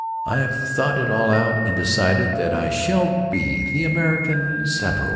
I've thought it all out and decided that I shall be the American Sappho.